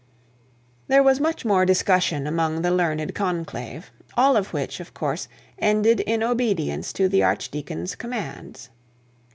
There was much more discussion among the learned conclave, all of which, of course, ended in obedience to the archdeacon's commands.